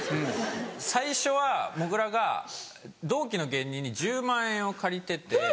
最初はもぐらが同期の芸人に１０万円を借りてて。